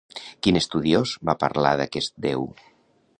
Quin estudiós va parlar d'aquest déu?